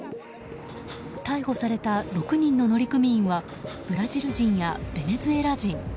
逮捕された６人の乗組員はブラジル人やベネズエラ人。